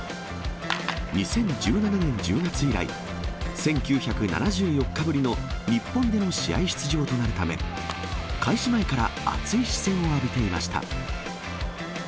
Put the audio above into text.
２０１７年１０月以来、１９７４日ぶりの日本での試合出場となるため、開始前から熱い視線を浴びていました。